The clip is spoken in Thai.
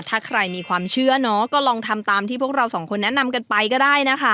ถ้าใครมีความเชื่อเนาะก็ลองทำตามที่พวกเราสองคนแนะนำกันไปก็ได้นะคะ